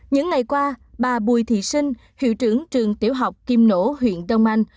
những ngày qua bà bùi thị sinh hiệu trưởng trường tiểu học kim nỗ huyện đông anh